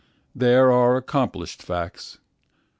There are accomplished facts.